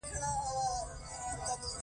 زه راغلم.